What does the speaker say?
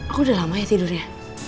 aku udah lama ya tidurnya